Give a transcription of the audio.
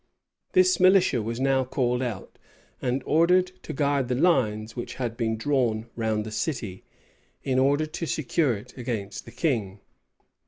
This militia was now called out, and ordered to guard the lines which had been drawn round the city, in order to secure it against the king.